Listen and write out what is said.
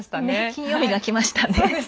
金曜日がきましたね。